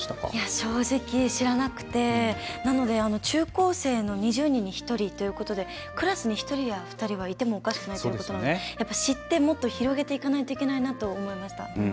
正直、知らなくてなので、中高生の２０人に１人ということでクラスに１人や２人はいてもおかしくないということなので知ってもっと広げていかないといけないと思いました。